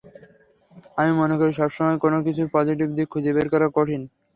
আমি মনে করি সবসময় কোনো কিছুর পজিটিভ দিক খুঁজে বের করা কঠিন।